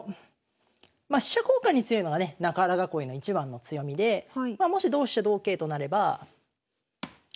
まあ飛車交換に強いのはね中原囲いの一番の強みでまあもし同飛車同桂となれば。